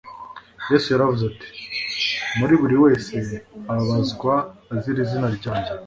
Yesu yaravuze ati: Muri buri wese ubabazwa azira izina ryanjye,